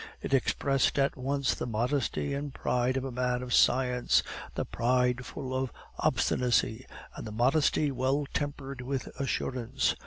It expressed at once the modesty and pride of a man of science; the pride full of obstinacy, and the modesty well tempered with assurance.